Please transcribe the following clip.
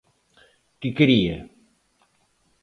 ¿Que quería?